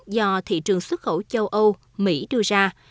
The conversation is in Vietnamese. do thị trường xuất khẩu châu âu mỹ đưa ra